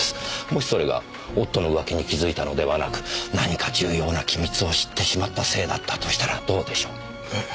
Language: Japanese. もしそれが夫の浮気に気付いたのではなく何か重要な機密を知ってしまったせいだったとしたらどうでしょう？え？